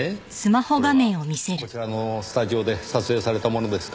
これはこちらのスタジオで撮影されたものですか？